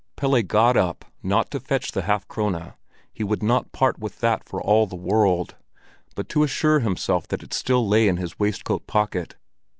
Pelle got up, not to fetch the half krone—he would not part with that for all the world—but to assure himself that it still lay in his waistcoat pocket.